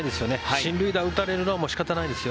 進塁打を打たれるのはもう仕方ないですよ。